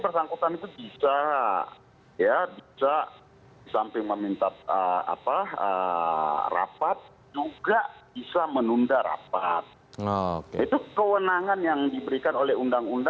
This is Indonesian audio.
pertanyaan saya selanjutnya begini bang masinton